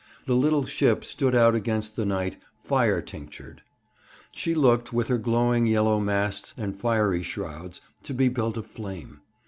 The little ship stood out against the night fire tinctured. She looked, with her glowing yellow masts and fiery shrouds, to be built of flame.